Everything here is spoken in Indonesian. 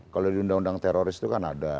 kalau di undang undang teroris itu kan ada